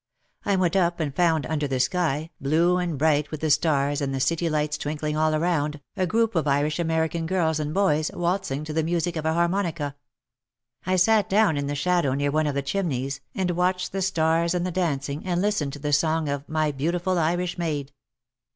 I went up and found under the sky, blue and bright with the stars and the city lights twinkling all around, a group of Irish American girls and boys waltzing to the music of a harmonica. I sat down in the shadow near one of the chimneys and watched the stars and the dancing and listened to the song of "My Beautiful Irish Maid."